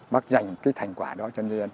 bác dành cái thành quả đó cho nhân dân